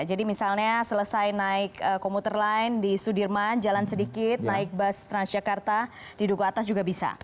jadi misalnya selesai naik komuter line di sudirman jalan sedikit naik bus transjakarta di duko atas juga bisa